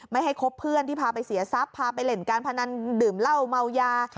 ไม่ให้คบเพื่อนที่พาไปเสียทรัพย์พาไปเล่นการพนันดื่มเหล้าเมายา